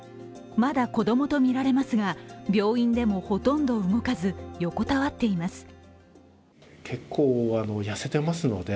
まだ子供とみられますが、病院でもほとんど動かず、横たわっています